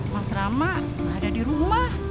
mas ramah gak ada di rumah